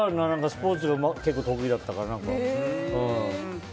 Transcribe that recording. スポーツが結構得意だったから。